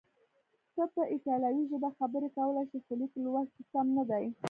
ته په ایټالوي ژبه خبرې کولای شې، خو لیک لوست دې سم نه دی.